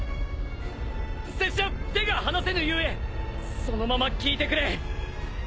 拙者手が離せぬ故そのまま聞いてくれ。